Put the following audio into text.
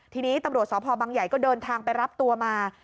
ทีนี้ตำรวจสพบังใหญ่ก็เดินทางไปรับตัวมา